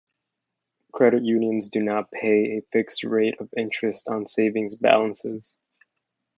Credit unions do not pay a fixed rate of interest on savings balances.